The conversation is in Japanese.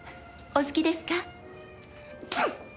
お好きですか？